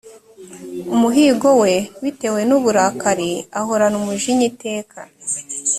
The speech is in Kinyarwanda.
umuhigo we bitewe n uburakari ahorana umujinya iteka